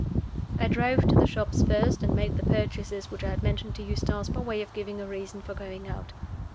I drove to the shops first, and made the purchases which I had mentioned to Eustace by way of giving a reason for going out.